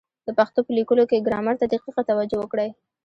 د پښتو په لیکلو کي ګرامر ته دقیقه توجه وکړئ!